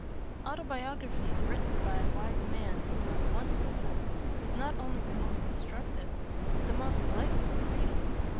Autobiography, written by a wise man who was once a fool, is not only the most instructive, but the most delightful of reading.